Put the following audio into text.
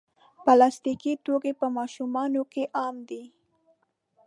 پلاستيکي توکي په ماشومانو کې عام دي.